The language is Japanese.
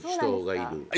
いる！